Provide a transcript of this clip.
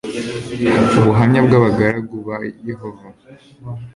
ubuhamya bw'abagaragu ba Yehova